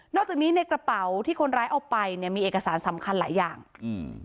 จากนี้ในกระเป๋าที่คนร้ายเอาไปเนี้ยมีเอกสารสำคัญหลายอย่างอืม